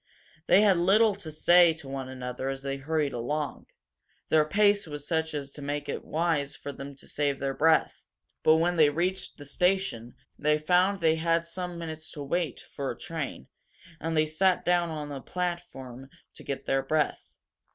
They had little to say to one another as they hurried along; their pace was such as to make it wise for them to save their breath. But when they reached the station they found they had some minutes to wait for a train, and they sat down on the platform to get their breath.